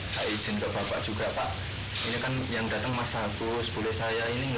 saya izin ke bapak juga pak ini kan yang datang mas agus boleh saya ini